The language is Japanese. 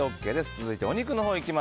続いてお肉のほう。